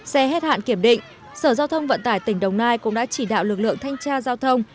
xe hết hạn kiểm định sở giao thông vận tải tỉnh đồng nai cũng đã chỉ đạo lực lượng thanh tra giao thông